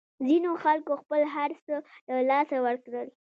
ځینو خلکو خپل هرڅه له لاسه ورکړل.